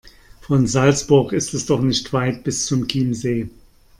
Von Salzburg ist es doch nicht weit bis zum Chiemsee.